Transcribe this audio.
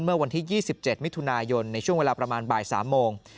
เมื่อวันที่๒๗มิถุนายนในช่วงเวลาประมาณบ่าย๓โมง